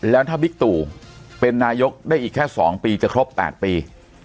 แล้วถ้าบิ๊กตู่เป็นนายกได้อีกแค่๒ปีจะครบ๘ปี